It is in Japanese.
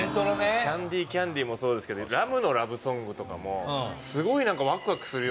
『キャンディキャンディ』もそうですけど『ラムのラブソング』とかもすごいワクワクするような。